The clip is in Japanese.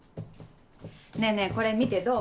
ねぇねぇこれ見てどう？